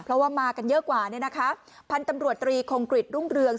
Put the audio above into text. เพราะว่ามากันเยอะกว่าเนี่ยนะคะพันธุ์ตำรวจตรีคงกริจรุ่งเรือง